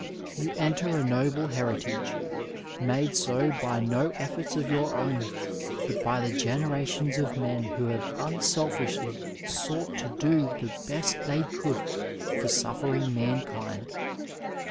You enter a noble heritage, made so by no efforts of your own, but by the generations of men who have unsel fishly sought to do the best they could for suffering man kind.